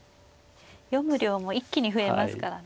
読む量も一気に増えますからね。